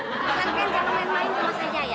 eh jangan main main sama saya ya